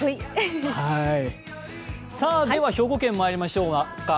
では、兵庫県にまいりましょうか。